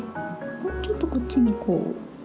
もうちょっとこっちに行こう。